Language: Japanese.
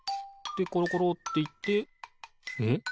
でコロコロっていってえっ？